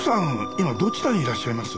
今どちらにいらっしゃいます？